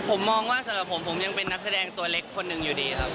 ผมมองว่าสำหรับผมผมยังเป็นนักแสดงตัวเล็กคนหนึ่งอยู่ดีครับ